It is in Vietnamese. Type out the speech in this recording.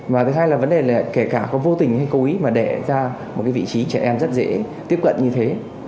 và thứ hai là vấn đề là kể cả có vô tình hay cố ý mà để ra một vị trí trẻ em rất dễ tiếp cận như thế